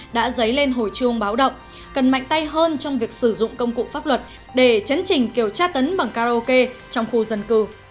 đã dấy lên hồi chuông báo động cần mạnh tay hơn trong việc sử dụng công cụ pháp luật để chấn trình kiểu tra tấn bằng karaoke trong khu dân cư